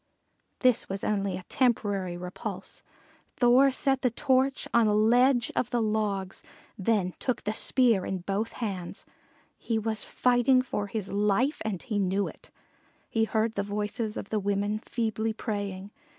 This was only a temporary repulse. Thor set the torch on a ledge of the logs, then took the spear in both hands. He was fighting for his life, and he knew it. He heard the voices of the women feebly praying.